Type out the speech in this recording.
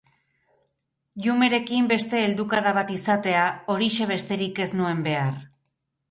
Llumekin beste heldukada bat izatea, horixe besterik ez nuen behar!